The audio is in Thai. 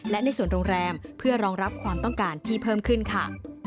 และในส่วนโรงแรมเพื่อรองรับความต้องการที่เพิ่มขึ้นค่ะ